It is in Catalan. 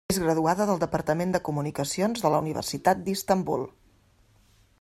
És graduada del Departament de Comunicacions de la Universitat d'Istanbul.